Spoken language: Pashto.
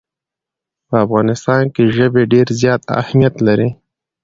په افغانستان کې ژبې ډېر زیات اهمیت لري.